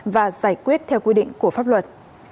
và giải quyết theo quy định của pháp luật